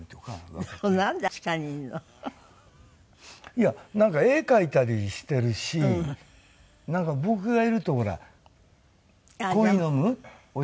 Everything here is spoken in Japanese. いやなんか絵描いたりしてるしなんか僕がいるとほら「コーヒー飲む？お茶飲む？